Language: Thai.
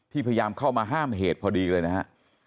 พยายามเข้ามาห้ามเหตุพอดีเลยนะฮะ